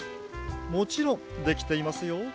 もちろんできていますよ。